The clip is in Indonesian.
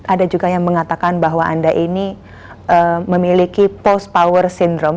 ada juga yang mengatakan bahwa anda ini memiliki post power syndrome